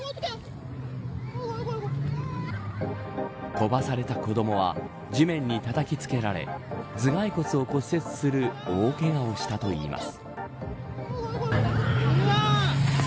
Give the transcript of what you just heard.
飛ばされた子どもは地面にたたきつけられ頭蓋骨を骨折する大けがをしたといいます。